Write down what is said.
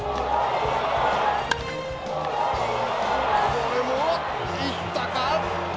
これも行ったか？